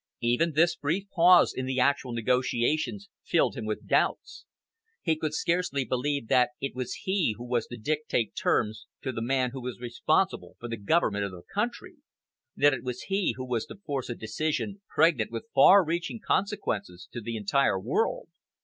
Even this brief pause in the actual negotiations filled him with doubts. He could scarcely believe that it was he who was to dictate terms to the man who was responsible for the government of the country; that it was he who was to force a decision pregnant with far reaching consequences to the entire world.